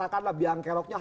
atau huruf d